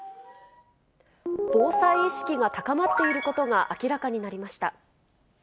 防災意識が高まっていることが明らかになりました。